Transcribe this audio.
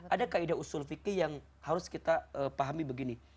ada kaedah usul fikih yang harus kita pahami begini